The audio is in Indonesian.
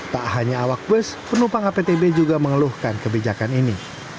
tak hanya awak bus penumpang aptb juga mengeluhkan kebijakan ini